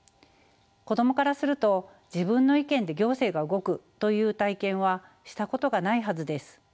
子供からすると自分の意見で行政が動くという体験はしたことがないはずです。